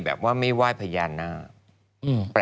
แล้วทำยังไงครับ